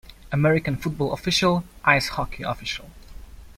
American football official, Ice hockey official.